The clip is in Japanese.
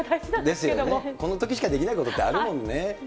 ですよね、このときしかできないことってあるもんね。